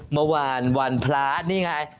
เมื่อวานวันพระนี่ไง